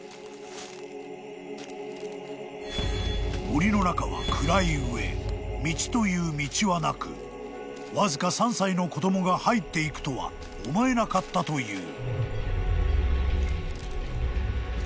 ［森の中は暗い上道という道はなくわずか３歳の子供が入っていくとは思えなかったという］